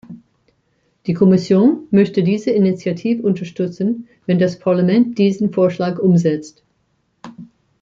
Die Kommission möchte diese Initiative unterstützen, wenn das Parlament diesen Vorschlag umsetzt.